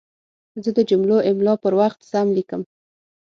زه د جملو املا پر وخت سم لیکم.